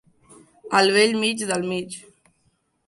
Al bell mig del mig.